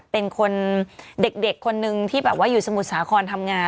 เป็นคนเด็กคนนึงที่แบบว่าอยู่สมุทรสาครทำงาน